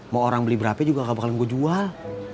mau orang beli berapa juga gak bakalan gue jual